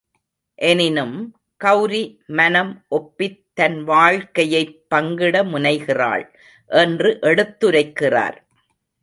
எனினும், கெளரி மனம் ஒப்பித் தன் வாழ்க்கையைப் பங்கிட முனைகிறாள்! என்று எடுத்துரைக்கிறார்.